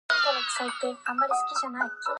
Shinozuka Station has a single side platform.